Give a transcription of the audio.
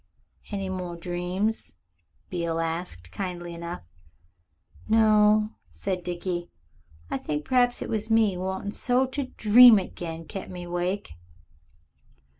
"Any more dreams?" Beale asked kindly enough. "No," said Dickie. "I think p'raps it was me wanting so to dream it again kep' me awake."